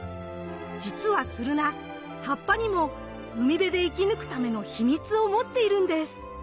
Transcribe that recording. じつはツルナ葉っぱにも海辺で生き抜くための秘密を持っているんです。